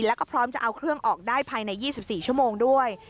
แล้วก็พร้อมจะเอาเครื่องออกได้ภายใน๒๔ชั่วโมงด้วย